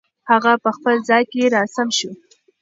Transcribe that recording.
هغه په خپل ځای کې را سم شو.